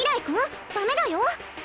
君ダメだよ